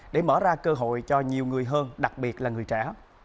để mở ra cơ hội cho nhiều người hơn đặc biệt là người trẻ